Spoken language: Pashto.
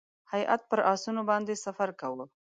هیات پر آسونو باندې سفر کاوه.